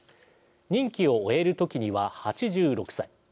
任期を終える時には８６歳。